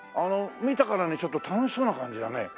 見たからにちょっと楽しそうな感じだね。